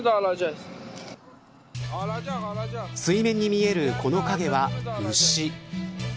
水面に見えるこの影は牛。